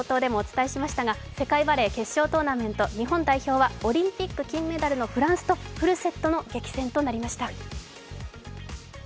世界バレー決勝トーナメント日本代表はオリンピック金メダルのフランスとフルセットの激戦となりました。